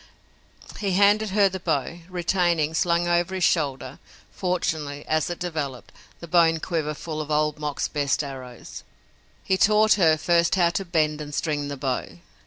He handed her the bow, retaining, slung over his shoulder, fortunately, as it developed, the bone quiver full of Old Mok's best arrows. He taught her, first, how to bend and string the bow.